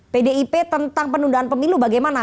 pdip tentang penundaan pemilu bagaimana